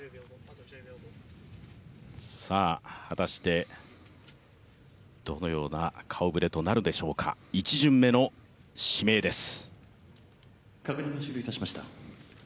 果たしてどのような顔ぶれとなるでしょうか、１巡目の指名です。